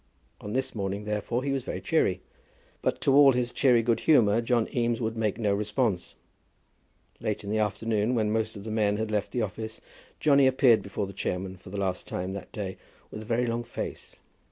On this morning, therefore, he was very cheery. But to all his cheery good humour John Eames would make no response. Late in the afternoon, when most of the men had left the office, Johnny appeared before the chairman for the last time that day with a very long face.